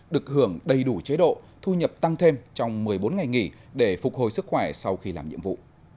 được hưởng đầy đủ chế độ thu nhập tăng thêm trong một mươi bốn ngày nghỉ để phục hồi sức khỏe sau khi làm nhiệm vụ